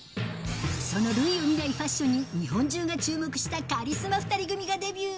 その類を見ないファッションに日本中が注目したカリスマ２人組がデビュー。